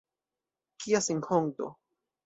Kia senhonto!